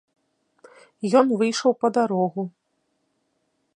Ён выйшаў па дарогу.